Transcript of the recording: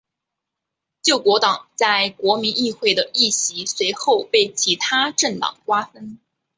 救国党在国民议会的议席随后被其它政党瓜分。